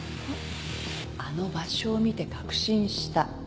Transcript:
あの場所を見て確信した。